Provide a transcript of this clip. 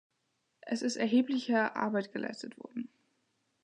Es ist erhebliche Arbeit geleistet worden.